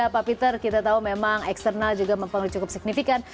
pak peter kita tahu memang eksternal juga mempengaruhi cukup signifikan